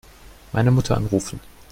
Meine Mutter anrufen.